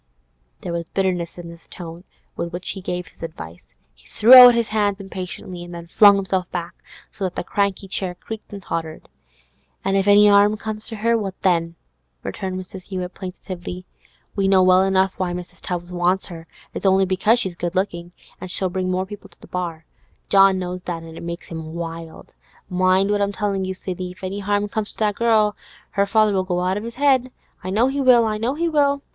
There was bitterness in the tone with which he gave this advice; he threw out his hands impatiently, and then flung himself back, so that the cranky chair creaked and tottered. 'An' if 'arm comes to her, what then?' returned Mrs. Hewett plaintively. 'We know well enough why Mrs. Tubbs wants her; it's only because she's good lookin', an' she'll bring more people to the bar. John knows that, an' it makes him wild. Mind what I'm tellin' you, Sidney; if any 'arm comes to that girl, her father'll go out of his 'ead. I know he will! I know he will!